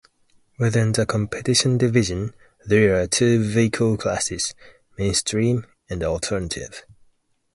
Within the Competition Division, there are two vehicle classes: Mainstream and Alternative.